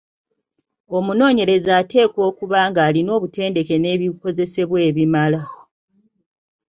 Omunoonyereza ateekwa okuba ng’alina obutendeke n’ebikozesebwa ebimala.